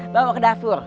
bawa ke dapur